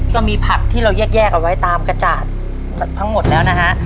ก็มีผักที่เราแยกเอาไว้ตามกระจาดทั้งหมดแล้วนะฮะ